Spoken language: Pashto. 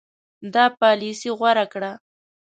ده پالیسي غوره کړه.